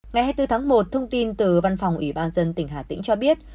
ngày hai mươi bốn tháng một thông tin từ văn phòng ủy ban dân tỉnh hà tĩnh cho biết